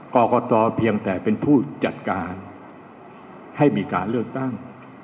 กรกตเพียงแต่เป็นผู้จัดการให้มีการเลือกตั้ง